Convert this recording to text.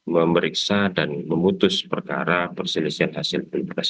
memeriksa dan memutus perkara perselisihan hasil pilpres